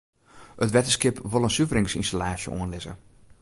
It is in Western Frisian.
It wetterskip wol in suveringsynstallaasje oanlizze.